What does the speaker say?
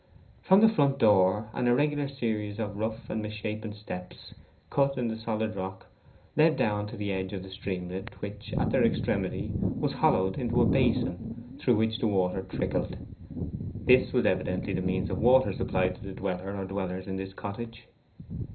From the front door an irregular series of rough and misshapen steps, cut in the solid rock, led down to the edge of the streamlet, which, at their extremity, was hollowed into a basin through which the water trickled. This was evidently the means of water supply to the dweller or dwellers in the cottage.